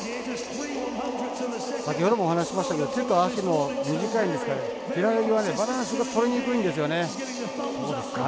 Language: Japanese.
先ほどもお話しましたけど手と足も短いんですが平泳ぎはバランスがとりにくいんですよね。